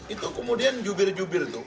itu kemudian jubil jubil tuh